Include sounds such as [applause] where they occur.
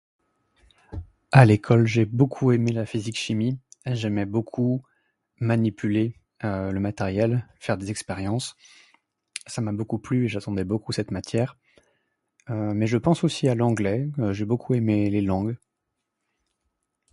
À l'école j'ai beaucoup aimé la physique chimie, j'aimais beaucoup manipuler [hesitation] le matériel, faire des expériences. Ça m'a beaucoup plu et j'attendais beaucoup cette matière. Mais je pense à l'anglais, j'ai beaucoup aimé les langues.